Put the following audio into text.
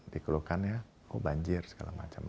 dikeluhkannya oh banjir segala macam